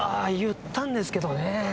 あ言ったんですけどね。